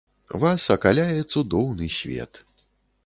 Вас акаляе цудоўны свет.